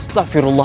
tapi itu saja